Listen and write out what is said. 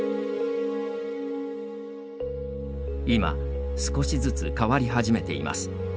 今、少しずつ変わり始めています。